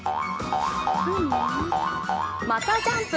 またジャンプ。